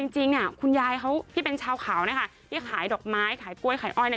จริงเนี่ยคุณยายเขาที่เป็นชาวเขานะคะที่ขายดอกไม้ขายกล้วยขายอ้อยเนี่ย